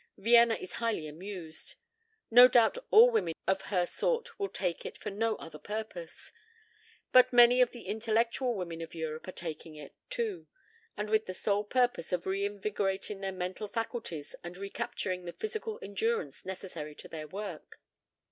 Vienna is highly amused. No doubt all women of her sort will take it for no other purpose. But many of the intellectual women of Europe are taking it, too and with the sole purpose of reinvigorating their mental faculties and recapturing the physical endurance necessary to their work.